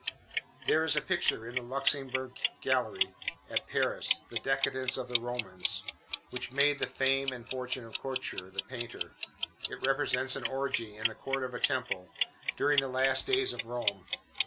There is a picture in the Luxembourg gallery at Paris, The Decadence of the Romans, which made the fame and fortune of Couture, the painter. It represents an orgie in the court of a temple, during the last days of Rome.